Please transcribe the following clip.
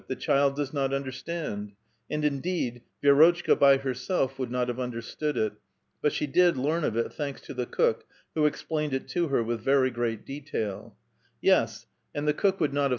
the child does not understand "; and indeed, Vi^rotchka bv herself would not have understood it, but she did. learn of it, thanks to the cook, who explained it to her with ver}' great detail. Yes, and the cook would not have A VITAL QUESTION.